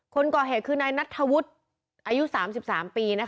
คนก่อเหตุคือนายนัทธวัฒน์สุลัยวันอายุ๓๓ปี